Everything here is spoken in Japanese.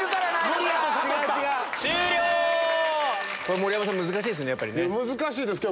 盛山さん難しいですね。